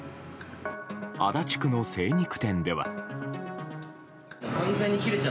足立区の精肉店では。